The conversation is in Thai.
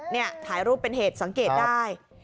นี่ถ่ายรูปเป็นเหตุสังเกตได้